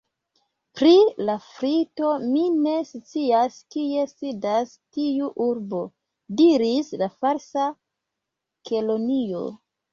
"Pri Lafrito, mi ne scias kie sidas tiu urbo," diris la Falsa Kelonio. "